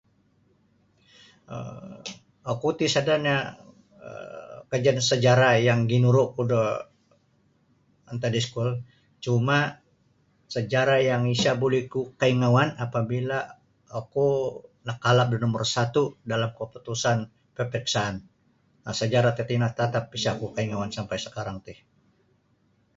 um Oku ti sada no um kajadian sajarah ginuru ku do antad da iskul cuma sajarah yang isa buli ku kaingauan apabila oku nakalap da numbur satu dalam kaputusan peperiksaan sajarah tatino tatap isa ku kaingauan sampai sakarang ti.